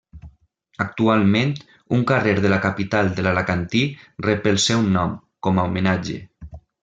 Actualment, un carrer de la capital de l'Alacantí rep el seu nom, com a homenatge.